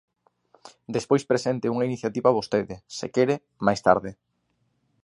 Despois presente unha iniciativa vostede, se quere, máis tarde.